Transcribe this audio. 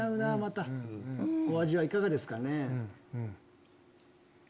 お味はいかがですかね？